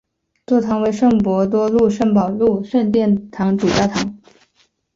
座堂为圣伯多禄圣保禄圣殿主教座堂。